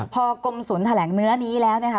พอกรมศูนย์แถลงเนื้อนี้แล้วนะคะ